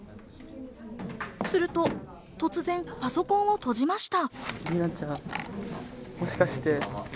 すると突然パソコンを閉じました。